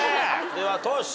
ではトシ。